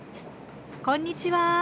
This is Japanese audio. こんにちは。